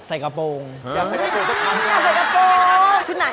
อยากใส่กระโปรงสักครั้งใช่ไหม